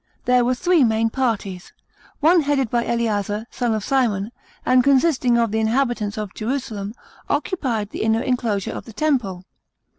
There were three main parties. One headed by Eleazar, son of Simon, and consisting of the inhabitants of Jerusalem, occupied the inner enclosure of the Temple.